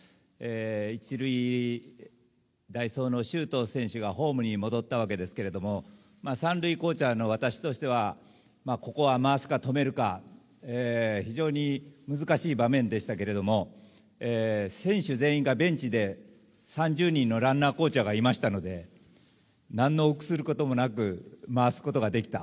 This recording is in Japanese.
１塁代走の周東選手がホームに戻ったわけですが３塁コーチャーの私としてはここは回すか、止めるか非常に難しい場面でしたけれども選手全員がベンチで３０人のランナーコーチャーがいましたので何の臆することもなく回すことができた。